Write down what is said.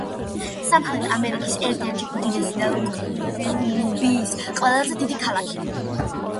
სამხრეთ ამერიკის ერთ-ერთი უდიდესი და კოლუმბიის ყველაზე დიდი ქალაქი.